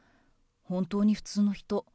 本当に普通の人。